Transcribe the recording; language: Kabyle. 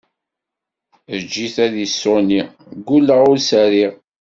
Eǧǧ-it ad iṣuni, ggulleɣ ur s-rriɣ!